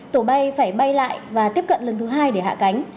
tổ bay phải bay lại và tiếp cận lần thứ hai để hạ cánh